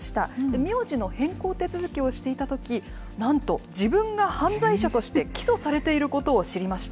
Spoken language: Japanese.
名字の変更手続きをしていたとき、なんと自分が犯罪者として起訴されていることを知りました。